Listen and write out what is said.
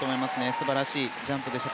素晴らしいジャンプでした。